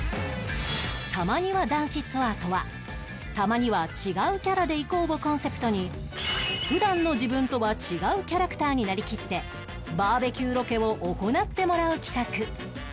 たまにわ男子ツアーとは「たまには違うキャラでいこう！！」をコンセプトに普段の自分とは違うキャラクターになりきってバーベキューロケを行ってもらう企画